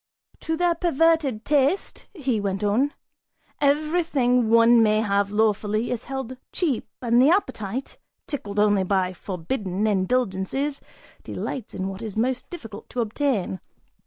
("To their perverted taste," he went on,) everything one may have lawfully is held cheap and the appetite, tickled only by forbidden indulgences, delights in what is most difficult to obtain.